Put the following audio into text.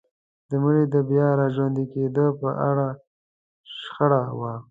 د مړي د بيا راژوندي کيدو په اړه شخړه وه.